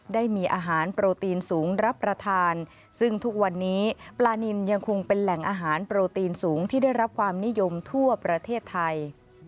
ได้มีอาหารโปรตีนสูงรับประทานซึ่งทุกวันนี้ปลานินยังคงเป็นแหล่งอาหารโปรตีนสูงที่ได้รับความนิยมทั่วประเทศไทย